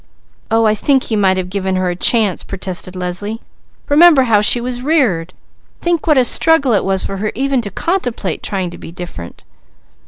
"Oh I think he might have given her a chance!" protested Leslie. "Remember how she was reared! Think what a struggle it was for her even to contemplate trying to be different."